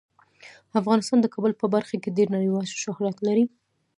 افغانستان د کابل په برخه کې ډیر نړیوال شهرت لري.